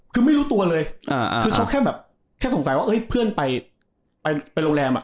คือไม่รู้ตัวเลยคือเขาแค่แบบแค่สงสัยว่าเฮ้ยเพื่อนไปไปโรงแรมอ่ะ